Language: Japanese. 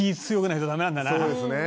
「そうですね」